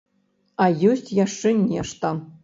А ёсць яшчэ нешта.